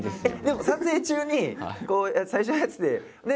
でも撮影中にこう最初のやつでね